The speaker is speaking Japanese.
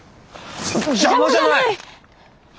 邪魔じゃない！